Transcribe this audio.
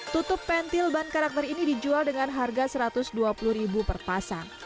tutup pentil ban karakter ini dijual dengan harga rp satu ratus dua puluh per pasang